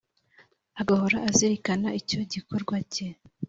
agahora azirikana icyo gikorwa cye,